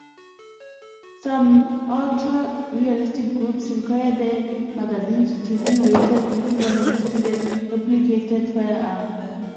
Some ultra-realistic groups require the magazines to be weighted equivalent to the replicated firearm.